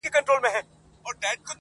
تر يو خروار زرو، يو مثقال عقل ښه دئ.